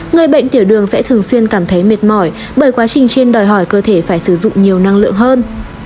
người bệnh tiểu đường sẽ thường xuyên cảm thấy mệt mỏi bởi quá trình trên đòi hỏi cơ thể phải sử dụng nhiều năng lượng hơn